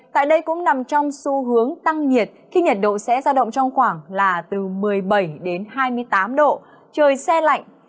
tại đây cũng nằm trong xu hướng tăng nhiệt khi nhiệt độ sẽ ra động trong khoảng là từ một mươi bảy đến hai mươi tám độ trời xe lạnh